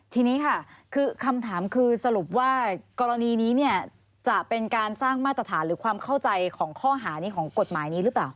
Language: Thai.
ทีนี้ค่ะคือคำถามคือสรุปว่ากรณีนี้เนี่ยจะเป็นการสร้างมาตรฐานหรือความเข้าใจของข้อหานี้ของกฎหมายนี้หรือเปล่า